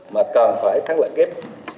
mà càng phải tháng lợi kết